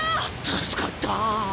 助かったぁ。